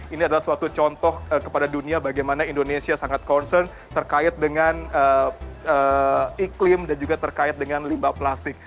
ini adalah suatu contoh kepada dunia bagaimana indonesia sangat concern terkait dengan iklim dan juga terkait dengan limbah plastik